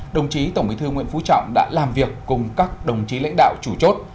đồng chí tổng bí thư nguyễn phú trọng đã làm việc cùng các đồng chí lãnh đạo chủ chốt